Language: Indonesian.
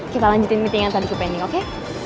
kita lanjutin meeting yang tadi ke penny oke